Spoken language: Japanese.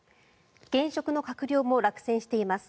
現職の閣僚も落選しています。